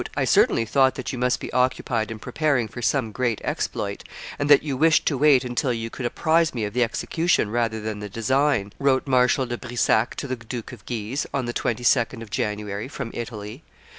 "I certainly thought that you must be occupied in preparing for some great exploit, and that you wished to wait until you could apprise me of the execution rather than the design," wrote Marshal de Brissac to the Duke of Guise, on the 22d of January, from Italy.